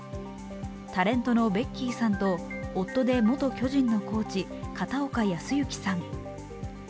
タレントのベッキーさんと夫で元巨人のコーチ片岡保幸さん